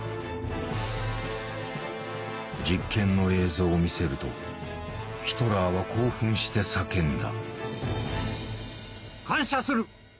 実験の映像を見せるとヒトラーは興奮して叫んだ。